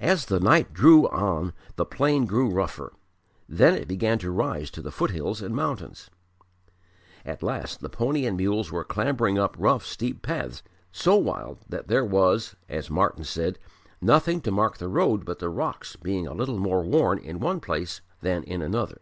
As the night drew on the plain grew rougher: then it began to rise to the foothills and mountains. At last the pony and mules were clambering up rough steep paths so wild that there was (as Martyn said) "nothing to mark the road but the rocks being a little more worn in one place than in another."